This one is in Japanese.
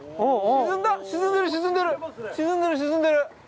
沈んでる、沈んでる。